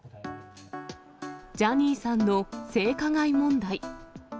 ジャニーさんの性加害問題。